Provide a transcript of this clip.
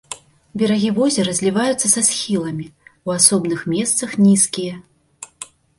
Берагі возера зліваюцца са схіламі, у асобных месцах нізкія.